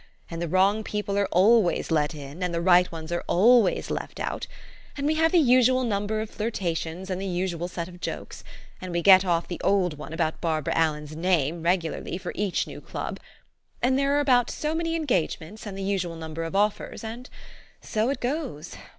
And the wrong people are always let in, and the right ones are always left out ; and we have the usual number of flirtations, and the usual set of jokes ; and we get off the old one about Bar bara Allen's name regularly, for each new club. And there are about so many engagements, and the usual number of offers ; and so it goes.